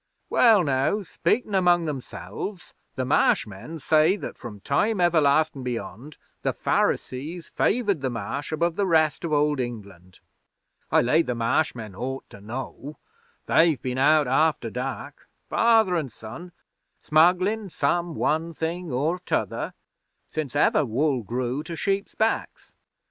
Well, now, speakin' among themselves, the Marsh men say that from Time Everlastin' Beyond, the Pharisees favoured the Marsh above the rest of Old England. I lay the Marsh men ought to know. They've been out after dark, father an' son, smugglin' some one thing or t'other, since ever wool grew to sheep's backs.